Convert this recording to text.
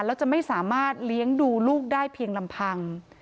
แล้วจะไม่สามารถเลี้ยงดูลูกได้เพียงลำพัง